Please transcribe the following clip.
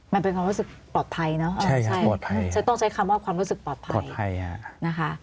มันเป็นความรู้สึกปลอดภัยเนอะฉันต้องใช้คำว่าความรู้สึกปลอดภัยนะคะ